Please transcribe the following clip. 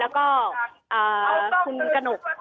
แล้วก็คุณกระหนก